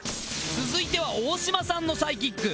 続いては大島さんのサイキック。